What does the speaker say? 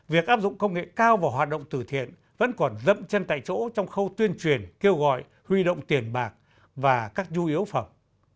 việc áp dụng công nghệ cao vào hoạt động từ thiện vẫn còn dẫm chân tại chỗ trong khâu tuyên truyền kêu gọi huy động tiền bạc và các nhu yếu phẩm